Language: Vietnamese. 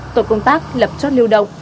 tổ công tác lập chốt lưu động